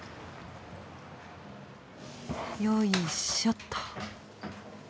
よいしょっと。